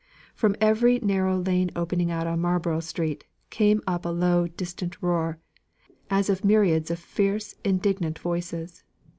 From every narrow lane opening out on Marlborough Street came up a low distant roar, as of myriads of fierce indignant voices.